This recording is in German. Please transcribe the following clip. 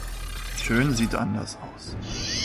Schön sieht anders aus.